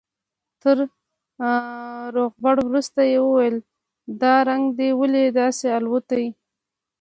تر روغبړ وروسته يې وويل دا رنگ دې ولې داسې الوتى.